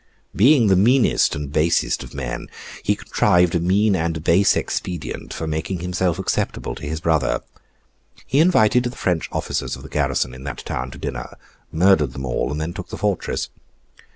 Being the meanest and basest of men, he contrived a mean and base expedient for making himself acceptable to his brother. He invited the French officers of the garrison in that town to dinner, murdered them all, and then took the fortress.